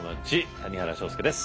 谷原章介です。